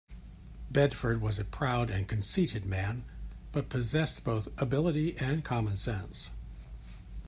Bedford was a proud and conceited man, but possessed both ability and common-sense.